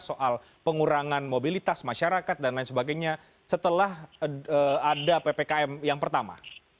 soal pengurangan mobilitas masyarakat dan lain sebagainya setelah ada ppkm yang pertama